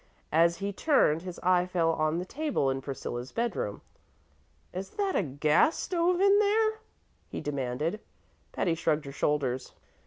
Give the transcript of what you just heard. As he turned, his eye fell on the table in Priscilla's bedroom. "Is that a gas stove in there?" he demanded. Patty shrugged her shoulders.